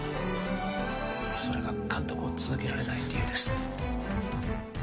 それが監督を続けられない理由です